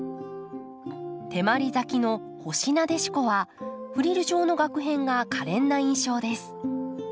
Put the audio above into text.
手まり咲きの「星なでしこ」はフリル状のがく片がかれんな印象です。